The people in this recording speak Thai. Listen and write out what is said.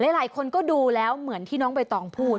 หลายคนก็ดูแล้วเหมือนที่น้องใบตองพูด